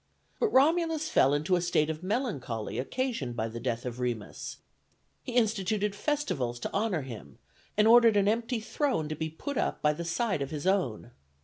But Romulus fell into a state of melancholy occasioned by the death of Remus; he instituted festivals to honor him, and ordered an empty throne to be put up by the side of his own.